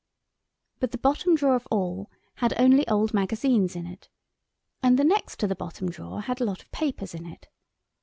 But the bottom drawer of all had only old magazines in it. And the next to the bottom drawer had a lot of papers in it.